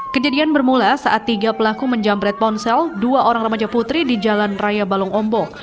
kejadian bermula saat tiga pelaku menjamret ponsel dua orang remaja putri di jalan raya balongombo